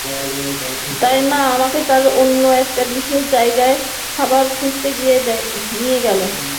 তাই মা আমাকে তার অন্য একটা বিশেষ জায়গায় খাবার খুঁজতে নিয়ে গেল।